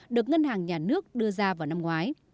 được ngân hàng nhà nước đưa ra vào năm ngoái